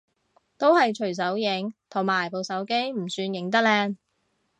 都係隨手影，同埋部手機唔算影得靚